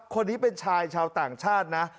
คนนี้เป็นชายชาวต่างชาตินะ